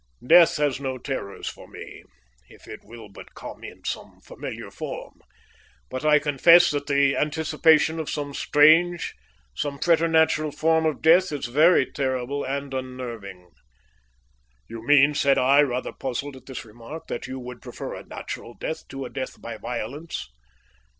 "Death has no terrors for me, if it will but come in some familiar form, but I confess that the anticipation of some strange, some preternatural form of death is very terrible and unnerving." "You mean," said I, rather puzzled at his remark, "that you would prefer a natural death to a death by violence?"